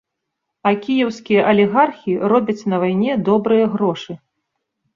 А кіеўскія алігархі робяць на вайне добрыя грошы.